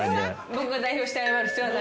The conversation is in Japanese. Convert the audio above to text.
僕が代表して謝る必要はない？